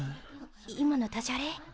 今のダジャレ？